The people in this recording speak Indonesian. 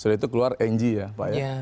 setelah itu keluar ng ya pak